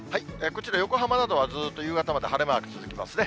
こちら、横浜などはずっと夕方まで晴れマーク続きますね。